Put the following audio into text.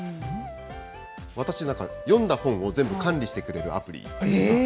私、なんか読んだ本を全部管理してくれるアプリ。